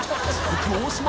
大島）